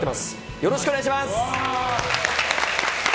よろしくお願いします！